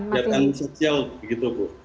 dikajarkan sosial begitu bu